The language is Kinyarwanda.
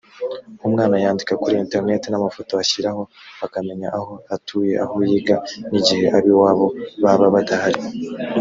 umwana yandika kuri interineti n amafoto ashyiraho bakamenya aho atuye aho yiga n igihe ab iwabo baba badahari